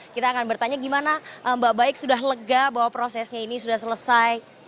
kita akan bertanya gimana mbak baik sudah lega bahwa prosesnya ini sudah selesai